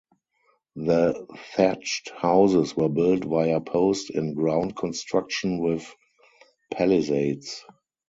The thatched houses were built via post in ground construction with palisades.